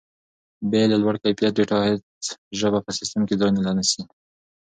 بې له لوړ کیفیت ډیټا هیڅ ژبه په سیسټم کې ځای نه نیسي.